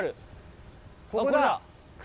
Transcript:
ここだ。